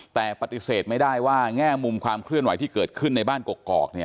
แต่ปฏิเสธไม่ได้ว่าแง่มุมความเคลื่อนไหวที่เกิดขึ้นในบ้านกกอก